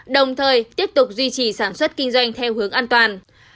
đồng thời tiếp tục duy trì sản xuất kinh doanh theo hướng an toàn